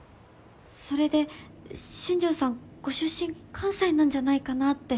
それで新条さんご出身関西なんじゃないかなって。